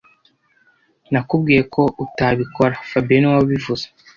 Nakubwiye ko utabikora fabien niwe wabivuze